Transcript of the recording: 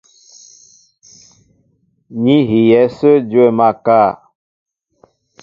Ní hiyɛ̌ ásə̄ dwə̂ máál kâ.